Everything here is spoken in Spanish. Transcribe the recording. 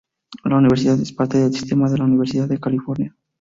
La universidad es parte del sistema de la Universidad de California.